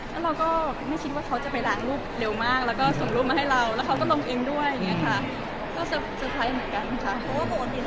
แล้วเราก็ไม่คิดว่าเขาจะไปล้างรูปเร็วมากแล้วก็ส่งรูปมาให้เราแล้วเขาก็ลงเองด้วยอย่างนี้ค่ะ